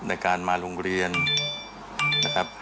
ในการมาโรงเรียนนะครับ